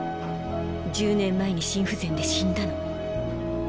１０年前に心不全で死んだの。